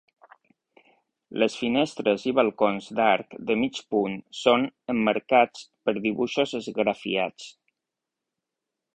Les finestres i balcons d'arc de mig punt són emmarcats per dibuixos esgrafiats.